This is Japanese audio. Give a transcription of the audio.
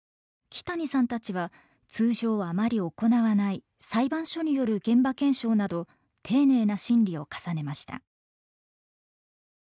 木谷さんたちは通常あまり行わない裁判所による現場検証など丁寧な審理を重ねました。